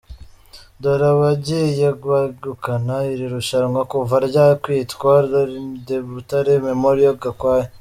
Dore abagiye begukana iri rushanwa kuva ryakwitwa Rallye de Butare Mémorial Gakwaya:.